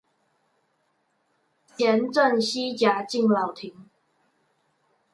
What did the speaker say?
前鎮西甲敬老亭